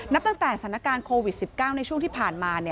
ตั้งแต่สถานการณ์โควิด๑๙ในช่วงที่ผ่านมา